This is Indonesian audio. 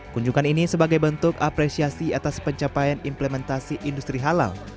kunjungan ini sebagai bentuk apresiasi atas pencapaian implementasi industri halal